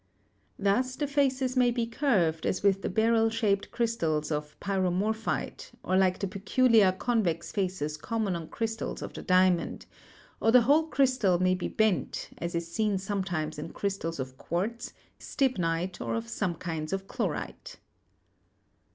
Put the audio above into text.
Thus the faces may be curved, as with the barrel shaped crystals of pyromor phite, or like the peculiar convex faces common on crys tals of the diamond; or the whole crystal may be bent, as is seen sometimes in crystals of quartz, stibnite, or of some kinds of chlorite.